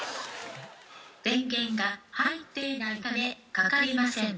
電源が入っていないためかかりません。